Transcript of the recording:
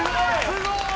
すごい。